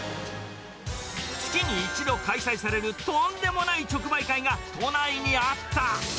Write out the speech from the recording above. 月に一度開催されるとんでもない直売会が、都内にあった。